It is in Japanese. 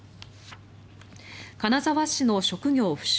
金沢市の職業不詳